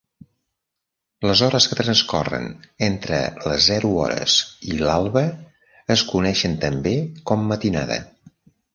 Les hores que transcorren entre les zero hores i l'alba es coneixen també com matinada.